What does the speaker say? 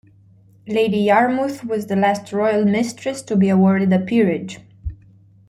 Lady Yarmouth was the last Royal mistress to be awarded a peerage.